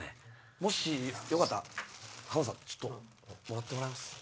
もしよかったら浜田さんもらってもらえます？